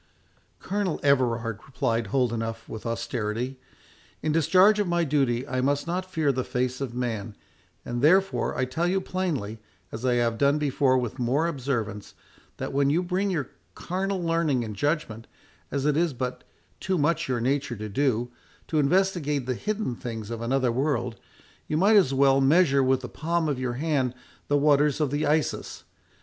"Colonel Everard," replied Holdenough, with austerity, "in discharge of my duty I must not fear the face of man; and, therefore, I tell you plainly, as I have done before with more observance, that when you bring your carnal learning and judgment, as it is but too much your nature to do, to investigate the hidden things of another world, you might as well measure with the palm of your hand the waters of the Isis.